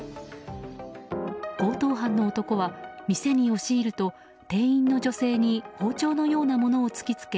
強盗犯の男は店に押し入ると店員の女性に包丁のようなものを突き付け